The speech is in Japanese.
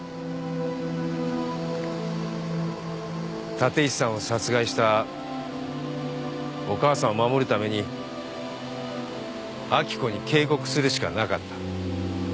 立石さんを殺害したお母さんを守るために明子に警告するしかなかった。